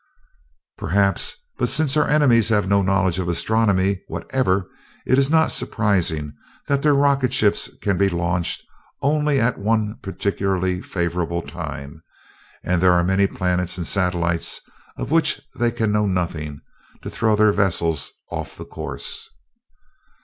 "Perhaps but since our enemies have no knowledge of astronomy whatever, it is not surprising that their rocket ships can be launched only at one particularly favorable time; for there are many planets and satellites, of which they can know nothing, to throw their vessels off the course.